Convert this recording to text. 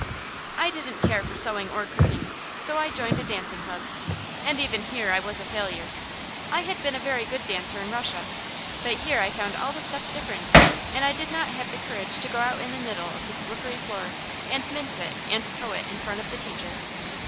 I didn't care for sewing or cooking, so I joined a dancing club; and even here I was a failure. I had been a very good dancer in Russia, but here I found all the steps different, and I did not have the courage to go out in the middle of the slippery floor and mince it and toe it in front of the teacher.